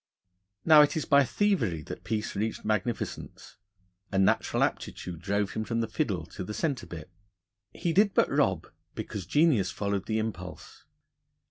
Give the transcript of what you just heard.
Now, it is by thievery that Peace reached magnificence. A natural aptitude drove him from the fiddle to the centre bit. He did but rob, because genius followed the impulse.